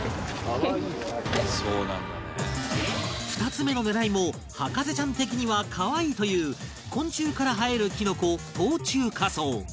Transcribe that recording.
２つ目の狙いも博士ちゃん的には可愛いという昆虫から生えるきのこ冬虫夏草